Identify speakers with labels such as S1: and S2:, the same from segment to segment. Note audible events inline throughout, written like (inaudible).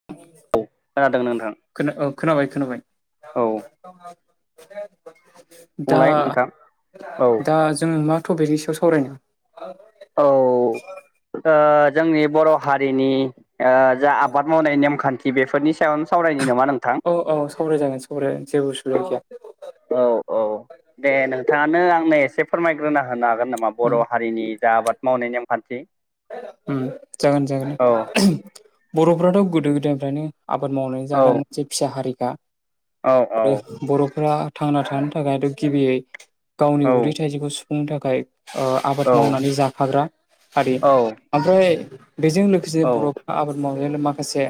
S1: (inaudible)
S2: खोनादोंना नोंथां
S1: खोनाबाय खोनाबाय
S2: औ
S1: (unintelligible) दा
S2: बुंलाय नोंथां औ
S1: दा जों मा टपिकनि सायाव सावरायनो
S2: औ जोंनि बर' हारिनि ओ जा आबाद मावनाय नेमखान्थि बेफोरनि सायावनो सावरायनाय नामा नोंथां
S1: औ औ सावराय जागोन सावराय जागोन जेबो उसुबिदा गैया
S2: औ औ दे नोंथाङानो आंनो एसे फोरमायग्रोना होनो हागोन नामा
S1: उम
S2: बर' हारिनि जा आबाद मावनाय नेमखान्थि
S1: उम जागोन जागोन
S2: औ
S1: बर'फोराथ गोदो गोदायनिफ्रायनो आबाद मावनानै
S2: औ
S1: जाग्रा मोनसे फिसा हारिखा
S2: औ औ
S1: आरो बर'फोरा थांना थानो थाखायथ गिबियै गावनि
S2: औ
S1: उदै थाइजखौ सुफुंनो थाखाय आबाद
S2: औ
S1: मावनानै जाफाग्रा हारि
S2: औ
S1: ओमफ्राय बेजों लोगोसे
S2: औ
S1: बर' आबाद मावनायानो माखासे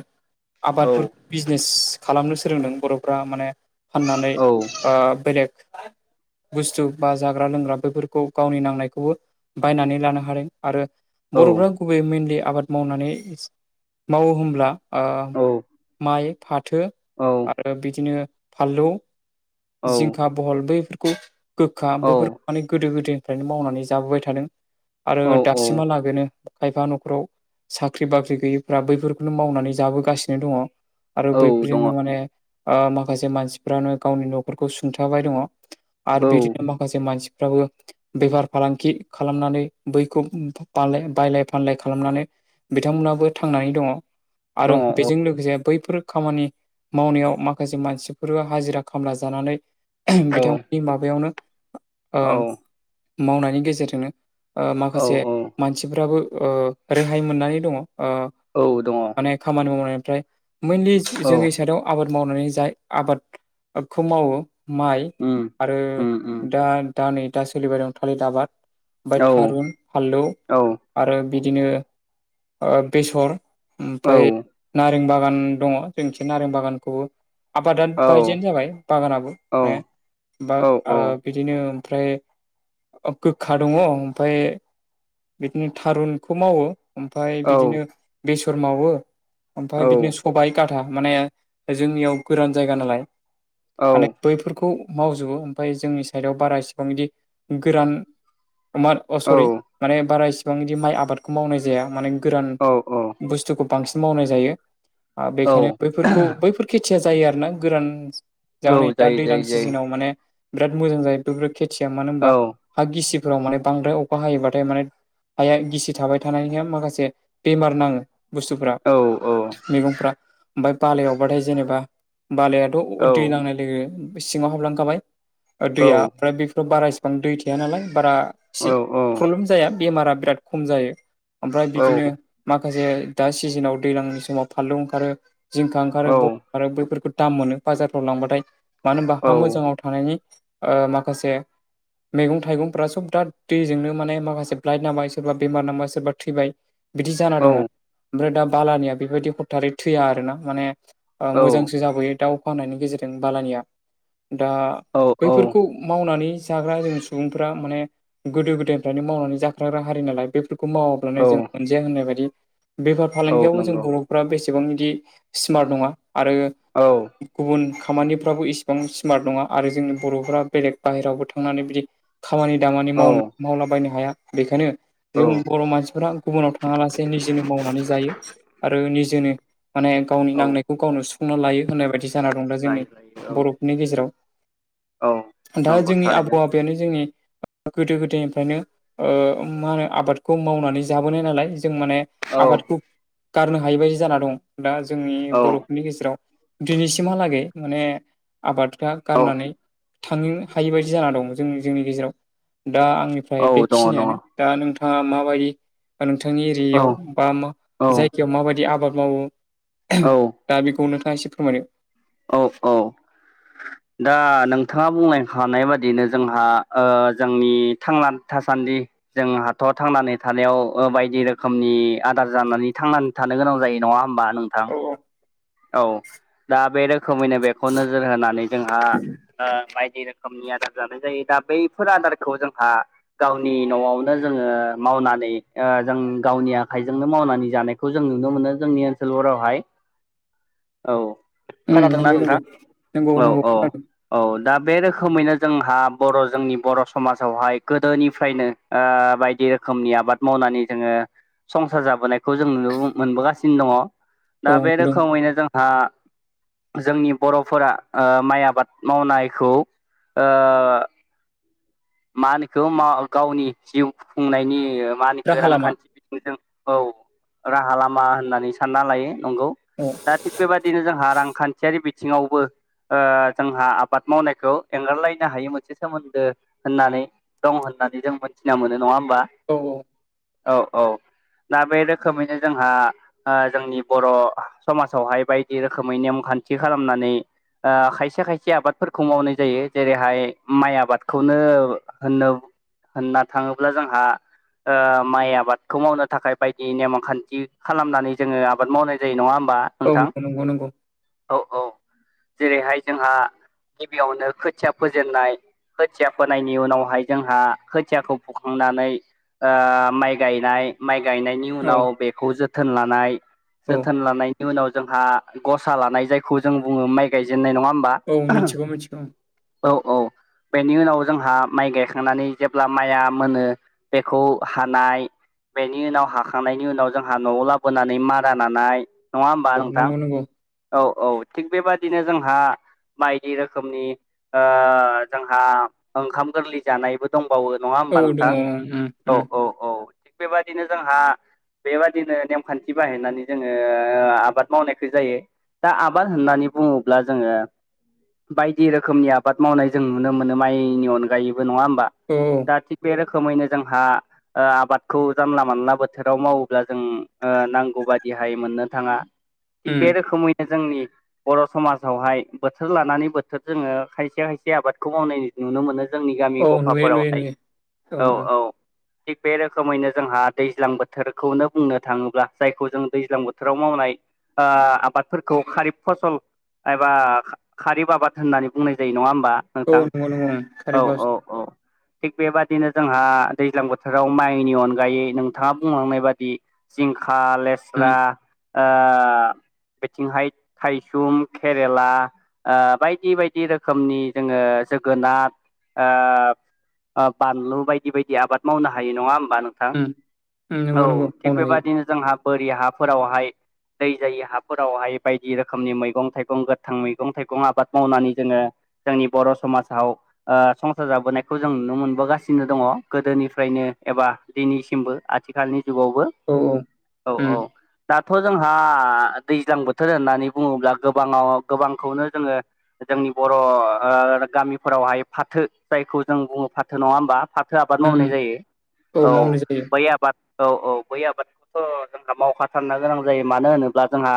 S2: औ
S1: आबादफोर बिजनेस खालामनो सोलोंदों बर'फ्रा माने फाननानै
S2: औ
S1: ओ बेलेग बुस्थु बा जाग्रा लोंग्रा बेफोरखौ गावनि नांनायखौबो बायनानै लानो हादों आरो बर'फ्रा गुबैयै मेनलि आबाद मावनानै मावो बुंब्ला ओ माइ फाथो
S2: औ
S1: आरो बिदिनो फानलौ जिंखा बहल बैफोरखौ गोखा
S2: औ
S1: बैफोरखौ माने गोदो गोदायनिफ्रायनो मावनानै जाबोबाय थादों आरो
S2: औ
S1: दासिमहा लागै बेनो खायफा न'खराव साख्रि बाख्रि गैयैफ्रा बैफोरखौनो मावनानै जाबोगासिनो दङ आरो
S2: औ दङ
S1: बैफोरजोंनो माने ओ माखासे मानसिफ्रानो गावनि न'फोरखौ सुंथाबाय दङ। आरो
S2: औ
S1: बिदिनो माखासे मानसि बाबो बेफार फालांगि खालामनानै बैखौ बायलाय बायलाय फानलाय खालामनानै बिथांमोनहाबो थांनानै दङ
S2: दङ
S1: आरो
S2: औ
S1: बेजों लोगोसे बैफोर खामानि मावनायाव माखासे मानसिफोर हाजिरा खामला जानानै
S2: औ
S1: बिथां माबायावनो ओ मावनायनि गेजेरजोंनो ओ
S2: औ
S1: माखासे
S2: औ
S1: मानसिफ्राबो ओ रेहाय मोननानै दङ ओ
S2: औ दङ
S1: माने खामानि मावनायनिफ्राय मैनलि
S2: औ
S1: जोंनि साइडाव आबाद मावनानै जाय आबादखौ मावो। माइ
S2: उम
S1: आरो
S2: उम उम
S1: दा दा नै दा सोलिबाय दं थालिर आबाद ओमफ्राय
S2: औ
S1: थारुन फानलौ
S2: औ
S1: आरो बिदिनो बेसर
S2: औ
S1: ओमफ्राय नारें बागान दङ जोंनिखै नारें बागानखौबो आबादा
S2: औ
S1: बायदियानो जाबाय बागानाबो
S2: औ
S1: माने बा
S2: औ औ
S1: ओ बिदिनो ओमफ्राय गोखा दङ ओमफ्राय बिदिनो थारुनखौ मावो ओमफ्राय बिदिनो बेसर मावो ओमफ्राय बिदिनो खबाइ गाथा माने जोंनियाव गोरान जायगा नालाय माने बैफोरखौ मावजोबो ओमाय जोंनि साइडआव बारा इसेबां बिदि गोरान बाद सरि माने बारा इसिबां बिदि माइ आबादखौ मावनाय जाया माने गोरान
S2: औ
S1: बुस थुखौ बांसिन मावनाय जायो
S2: औ
S1: बेखायनो बैफोरखौ बैफोर खेथिया जायो आरो ना गोरान
S2: औ
S1: जोंहा नै दा
S2: जायो
S1: दैलां
S2: जायो जायो
S1: सिजोनाव माने बिराद मोजां जायो बेफोर बादि खेथिया मानो
S2: औ
S1: होनबा हा गिसिफोराव माने बांद्राय अखा हायोबाथाय माने हाया गिसि थाबाय थानायनि माखासे बेमार नाङो। बुस्थुफ्रा
S2: औ औ
S1: मैगंफ्रा ओमफाय बालायावबाथाय जेनेबा बालाया अ दै नांनाय लोगो-लोगो सिङाव हाबलांखाबाय ओ
S2: औ
S1: दैया फ्रा बेफोराव बाराय गोबां दै थाया नालाय बारा एसे
S2: औ
S1: प्रब्लेम जाया बेमारा बिराद खम जायो। ओमफ्राय बिदिनो माखासे दा सिजोनाव दैज्लांनि समाव फानलु ओंखारो। जिंखा
S2: औ
S1: ओंखारो ब ओंखारो बैफोरखौ दाम मोनो बाजारफ्राव लांबाथाय। मानो होमबा हा मोजाङाव थानायनि ओ माखासे मैगं-थाइगंफ्रा सब दा दैजोंनो माने माखासे फ्लाइट नांबाय सोरबा बेमार नांबाय सोरबा थैबाय बिदि जाना दङ'।
S2: औ
S1: ओमफ्राय दा बालानिया बेबायदि हथ्थारै थैया आर ना माने ओ मोजां। जाबोयो दाउ फाहामनायनि गेजेरजों बालानिया दा
S2: औ
S1: बैफोरखौ मावनानै जाग्रा जोंनि सुबुंफोरा माने गोदो गोदायनिफ्रायनो मावनानै जाखाग्रा हारि नालाय बेफोरखौ मावा
S2: औ
S1: माने जों मोनजाया होननाय बायदि बेफार
S2: औ
S1: फालांगियावबो जों
S2: नंगौ
S1: बर' फोरा बेसेबां बिदि स्मार्ट नङा आरो
S2: औ।
S1: गुबुन खामानिफ्राबो इसिबां स्मार्ट नङा आरो जोंनि बर'फोरा बेलेग बाहेरावबो थांनानै बिदि खामानि दामानि
S2: औ
S1: मावनो मावलाबायनो हाया बेखायनो जों बर' मानसिफ्रा गुबुनाव थाङा लासे निजेनो मावनानै जायो आरो निजेनो माने गावनि
S2: औ
S1: नांनायखौ गावनो सुफुंना लायो होननाय बादि जाना दं दा जोंनि
S2: लायो लायो औ
S1: बर'फोरनि गेजेरावह
S2: औ
S1: दा
S2: नंगौ
S1: जोंनि
S2: थारैनो
S1: आबौ-आबैयानो जोंनि गोदो-गोदायनिफ्रायनो ओ मा होनो आबादखौ मावनानै जाबोनाय नालाय जों माने
S2: औ
S1: आबादखौ गारनो हायि बायदि जाना दं दा जोंनि
S2: औ
S1: बर'फोरनि गेजेराव। दिनैसिमहालागै माने आबादफ्रा
S2: औ
S1: गारनानै थानोनो हायि बादि जाना दं जों जोंनि गेजेराव दा आंनिफ्राय
S2: औ दङ दङ
S1: बेखिनियानो।
S2: औ
S1: दा नोंथांङा माबायदि ओ नोंथांनि एरियायाव बा मा
S2: औ
S1: जायगायाव माबायदि आबाद मावो
S2: औ
S1: दा बेखौ नोंथाङा एसे फोरमायनो
S2: औ औ।
S1: (inaudible)
S2: दा नोंथाङा बुंलेंखानाय बादियैनो जोंहा ओ जोंनि थांना थासान्दि जों हाथ' थांनानै थानायाव ओ बायदि रोखोमनि आदार जानानै थांनानै थानो गोनां जायो नङा होमबा नोंथां?
S1: औ।
S2: औ दा बे रोखोमैनो बेखौ नोजोर होनानै जोंहा आ बायदि रोखोमनि आदार जानाय जायो दा बैफोर आदारखौ जोंहा गावनि न'आवनो जोंङो मावनानै ओ जों गावनि आखाइजोंनो मावनानै जानायखौ खौ जों नुनो मोनो जोंनि ओनसोलफोरावहाय। औ खोनादोंना
S1: नंगौ
S2: नोंथां?
S1: नंगौ नंगौ
S2: औ
S1: नंगौ
S2: औ।
S1: खोनादों
S2: औ दा बे रोखोमैनो जोंहा बर' जोंनि बर' समाजावहाय गोदोनिफ्रायनो बायदि रोखोमनि आबाद मावनानै जोंङो संसार जाबोनायखौ जों नुनोबो मोनबोगासिनो दङ'
S1: औ
S2: दा बे
S1: नुदों
S2: रोखोमैनो जोंहा जोंनि बर'फोरा ओ माइ आबाद मावनायखौ ओ मा होनो इखौ माव गावनि जिउ खुंनायनि ओ मा होनो इखो
S1: राहा लामा
S2: रांखान्थि (unintelligible) औ राहा लामा होननानै सानना लायो नंगौ
S1: औ
S2: दा थिग बेबादिनो जोंहा रांखान्थियारि बि बिथिङावबो ओ जोंहा आबाद मावनायखौ एंगारलायनो हायि मोनसे सोमोन्दो होननानै दं होननानै जों मोनथिना मोनो नङा होमबा।
S1: औ औ।
S2: औ औ दा बे रोखोमैनो जोंहा आ जोंनि बर' समाजावहाय बायदि रोखोमै नेमखान्थि खालामनानै आ खायसे खायसे आबादफोरखौ मावनाय जायो जेरैहाय माइ आबादखौ नो होन होनना थाङोब्ला जोंहा ओ माइ आबादखौ मावनो थाखाय बायदि नेम खान्थि खालामनानै जोङो आबाद मावनाय जायो नङा होमबा
S1: औ
S2: नोंथां
S1: औ नंगौ नंगौ
S2: औ औ जेरैहाय जोंहा गिबियावनो खोथिया फोजेननाय खोथिया फोनायनि उनावहाय जोंहा खोथियाखौ फुखांनानै ओ माइ गायनाय माइ गायनायनि नि
S1: औ
S2: उनाव बेखौ जोथोन लानाय
S1: औ
S2: जोथोन लानाय नि उनाव जोंहा गसा लानाय जायखौ जों बुङो माइ गायजेननाय नङा होमबा
S1: औ मिथिगौ मिथिगौ
S2: औ औ बेनि उनाव जोंहा माइ गायखांनानै जेब्ला माइया मोनो बेखौ हानाय बेनि उनाव हाखांनायनि उनाव जोंहा न'आव लाबोनानै मारा नानाय नङा होमबा
S1: औ
S2: नोंथां
S1: नंगौ नंगौ
S2: औ औ थिग बेबादिनो जोंहा बायदि रोखोमनि ओ जोंहा ओंखाम गोरलै जानायबो दंबावो नङा
S1: औ
S2: होमबा
S1: दङ
S2: नोंथां
S1: ओं
S2: औ औ औ थिग बेबायदिनो जोंहा बेबादिनो नेमखान्थि बाहायनानै जोङो आबाद मावनायखौ जायो दा आबाद होननानै बुङोब्ला जोङो बायदि रोखोमनि आबाद मावनाय जों नुनो मोनो माइनि अनगायैबो नङा होमबा
S1: उम-उम
S2: दा थिग बे रोखोमैनो जोंहा ओ आबादखौ जानला मानला बोथोराव मावोब्ला जों नांगौ बादिहाय मोननो थाङा
S1: (inaudible)
S2: थिग बे रोखोमैनो जोंनि बर' समाजावहाय बोथोर लानानै बोथोर जोङो खायसे खाय से आबादखौ मावनाय नुनो मोनो जोंनि गामि
S1: औ ओम औ नुयो नुयो
S2: गफाफोरावहाय
S1: नुयो ओं
S2: औ
S1: ओं
S2: औ थिग बे रोखोमैनो जोंहा दैज्लां बोथोरखौनो बुंनो थाङोब्ला जायखौ जों दैज्लां बोथोराव मावनाय ओ आबादफोरखौ खारिब फसल एबा खारिब आबाद होननानै बुंनाय जायो नङा होमबा
S1: औ
S2: नोंथां
S1: नंगौ नंगौ ओं
S2: औ
S1: कारेन्ट बास
S2: औ औ थिग बेबाददिनो जोंहा दैज्लां बोथोराव माइनि अनगायै नोंथाङा बुंलांनाय बादि जिंखा
S1: ओम
S2: लेस्रा ओ बिथिंहाय थाइसुम केरेला ओ बायदि बायदि रोखोमनि जोङो जोगोनाद ओ ओ बानलु बायदि बायदि आबाद मावनो हायो नङा होमबा नों थां
S1: ओम ओम
S2: औ
S1: नंगौ नंगौ
S2: थिग
S1: मावनो हायो
S2: बेबादिनो जोंहा बोरि हाफोरावहाय दै जायि हाफोरावहाय बायदि रोखोमनि मैगं थाइगं गोथां मैगं थाइगं आबाद मावनानै जोङो जोंनि बर' समाजाव ओ संसार जाबोनायखौ जों नुनो मोनबोगासिनो दङ गोदोनिफ्रायनो एबा दिनैसिमबो आथिखालनि जुगावबो
S1: औ औ
S2: औ
S1: ओम
S2: औ दाथ' जोंहा दैज्लां बोथोर होननानै बुङोब्ला गोबाङाव गोबांखौनो जोङो जोंनि बर' गामिफोरावहाय फाथो जायखौ जों बुङो फाथो नङा होमबा फाथो आबाद
S1: ओम
S2: मावनाय
S1: ओम
S2: जायो औ
S1: मावनाय जायो
S2: बै आबाद औ औ बै आबादखौथ' जोंहा मावखाथारनो गोनां जायो मानो होनोब्ला जोंहा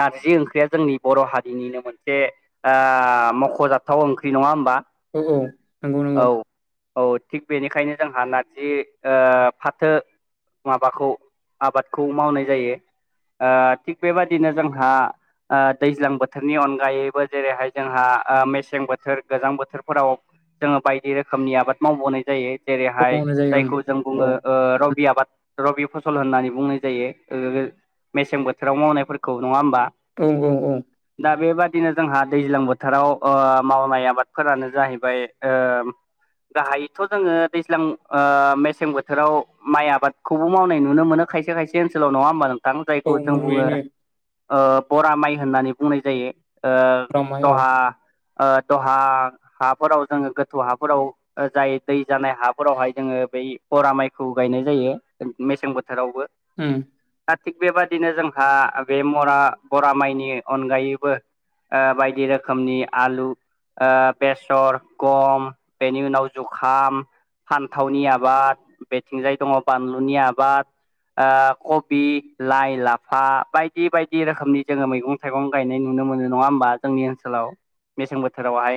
S2: नारजि ओंख्रिया जोंनि बर' हारिनिनो मोनसे ओ मख'जा थाव ओंख्रि नङा होमबा
S1: औ औ नंगौ नंगौ
S2: औ औ थिग बेनिखायनो जोंहा नारजि ओ फाथो माबाखौ आबादखौ मावनाय जायो ओ थिग बेबादिनो जोंहा ओ दैज्लां बोथोरनि अनगायैबो जेरैहाय जोंहा ओ मेस मेसें बोथोर गोजां बोथोरफोराव जोङो बायदि रोखोमनि आबाद मावबोनाय जायो
S1: औ
S2: जेरैहाय
S1: मावनाय जायो
S2: जायखौ जों
S1: औ
S2: बुङो ओ रबि आबाद रबि फसल होननानै बुंनाय जायो मेसें बोथोराव मावनायफोरखौ नङा होमबा
S1: औ-औ-औ
S2: दा बेबादिनो जोंहा दैज्लां बोथोराव ओ मावनाय आबादफोरानो जाहैबाय ओ गाहायैथ' जोङो दैज्लां ओ मेसें बोथोराव माइ आबादखौबो मावनाय नुनो मोनो खायसे खाय से ओनसोलाव नङा होमबा नोंथां
S1: औ
S2: जायखौ जों
S1: नुयो
S2: बुङो
S1: नुयो
S2: ओ बरा माइ होननानै बुंनाय जायो ओ
S1: रामाय औ
S2: दहा ओ दहा हाफोराव जोङो गोथौ हाफोराव जाय दै जानाय हाफोरावहाय जोङो बै बरा माइखौ गायनाय जायो मेसें बोथोरावबो
S1: उम
S2: दा थिग बेबादिनो जोंहा बे मरा बरा माइनि अनगायैबो ओ बायदि रोखोमनि आलु ओ बेसर गम बेनि उनाव जुखाम फान्थावनि आबाद बेथिंजाय दङ बानलुनि आबाद ओ कबि लाइ लाफा बायदि बायदि रोखोमनि जोङो मैगं थाइगं गायनाय नुनो मोनो नङा होमबा जोंनि ओनसोलाव मेसें बोथोरावहाय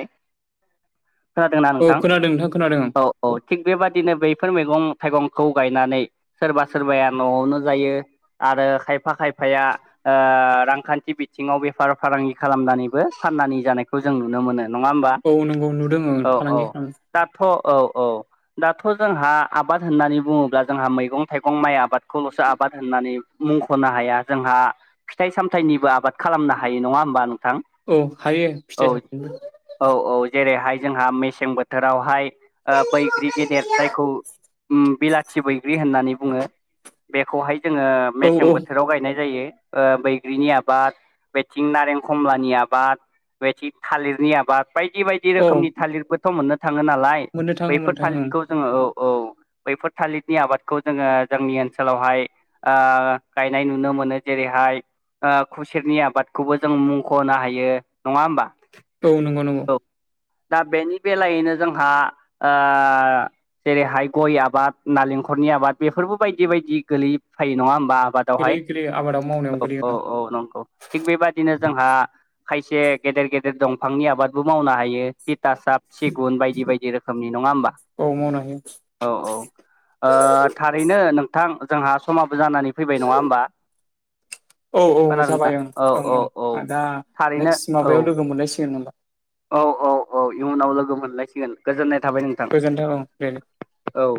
S2: खोनादोंना
S1: औ
S2: नोंथां
S1: खोनादों नोंथां खोनादों
S2: औ औ थिग बेबादिनो बैफोर मैगं थाइगंखौ गायनानै सोरबा सोरबाया न'आवनो जायो आरो खायफा खायफाया ओ रांखान्थि बिथिङाव बेफार फालांगि खालामनानैबो फाननानै जानायखौ जों नुनो मोनो नङा होमबा
S1: औ नंगौ नुदों ओं
S2: औ औ
S1: फालांगि खालाम
S2: दाथ' औ औ दाथ' जोंहा आबाद होननानै बुङोब्ला जोंहा मैगं थाइगं माइ आबादखौल'सो आबाद होननानै मुंख'नो हाया जोंहा फिथाइ सामथाइनिबो आबाद खालामनो हायो नङा होमबा नोंथां
S1: औ हायो फिथाइ
S2: औ
S1: सामथायबो
S2: औ औ जेरैहाय जोंहा मेसें बोथोरावहाय बैग्रि गेदेर जायखौ बिलाथि बैग्रि होननानै बुङो बेखौहाय जोङो मेसें
S1: औ औ
S2: बोथोराव गायनाय जायो बैग्रिनि आबाद बेथिं नारें खमलानि आबाद बेबायदि थालिरनि आबाद बायदि बायदि
S1: औ
S2: रोखोमनि थालिरबोथ' मोननो थाङो नालाय
S1: मोननो थाङो मोननो
S2: बैफोर
S1: थाङो
S2: थालिदखौ जोङो औ-औ बैफोर थालिदनि आबादखौ जोङो जोंनि ओनसोलावहाय ओ गायनाय नुनो मोनो जेरैहाय खुसेरनि आबादखौबो जों मुंख'नो हायो नङा होमबा
S1: औ नंगौ नंगौ
S2: दा बेनि बेलायैनो जोंहा जेरैहाय गय आबाद नालेंखरनि आबाद बेफोरबो बायदि बायदि गोलै फायो नङा होमबा आबाद
S1: गोलै
S2: वहाय
S1: गोलै आबादाव मावनायाव
S2: औ
S1: गोलैयो
S2: औ औ नंगौ थिग बेबदिनो जोंहा खायसे गेदेर गेदेर दंफांनि आबादबो मावनो हायो तिथासाब सिगुन बायदि बायदि रोखोमनि नङा होमबा
S1: औ मावनो हायो
S2: औ औ ओ थारैनो नोंथां जोंहा समाबो जानानै फैबाय नङा होमबा
S1: औ औ
S2: खोनादोंना
S1: जाबाय
S2: औ
S1: ओं
S2: औ
S1: ओं
S2: औ
S1: ओ दा
S2: थारैनो
S1: नेक्स्ट
S2: औ
S1: माबायाव लोगो मोनलायसिगोन होनबा
S2: औ औ औ इयुनाव लोगो मोनलायसिगोन गोजोननाय थाबाय नों
S1: गोजोन्थों औ दे
S2: औ